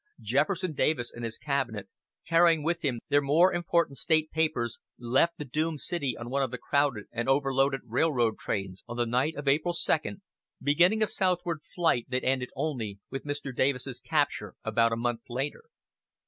Jefferson Davis and his cabinet, carrying with them their more important state papers, left the doomed city on one of the crowded and overloaded railroad trains on the night of April 2, beginning a southward flight that ended only with Mr. Davis's capture about a month later.